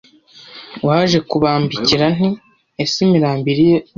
waje kubambikira Nti Ese imirambo iri he